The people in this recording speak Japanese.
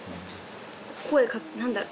声何だろう？